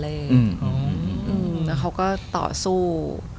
แล้วเขาก็ต่อสู้